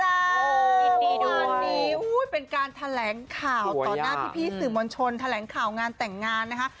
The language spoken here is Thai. งานนี้เป็นการแถลงข่าวต่อหน้าพี่สื่อมวลชนแถลงข่าวงานแต่งงานนะคะ